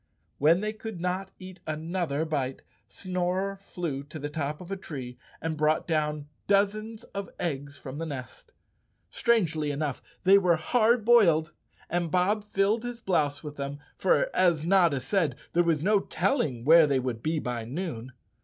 When they could not eat another bite, Snorer flew to the top of a tree and brought down dozens of eggs from the nest. Strangely enough, they were hard boiled and Bob filled his blouse with them, for as Notta said, there was no telling where they would be by noon.